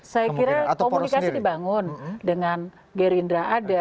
saya kira komunikasi dibangun dengan gerindra ada